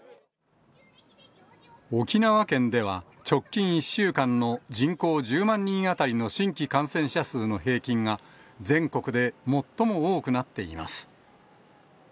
沖縄県では、直近１週間の人口１０万人当たりの新規感染者数の平均が、全国で最も多くなっています。